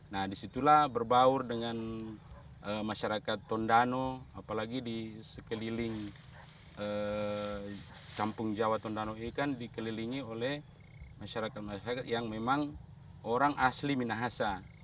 nah disitulah berbaur dengan masyarakat tondano apalagi di sekeliling kampung jawa tondano ini kan dikelilingi oleh masyarakat masyarakat yang memang orang asli minahasa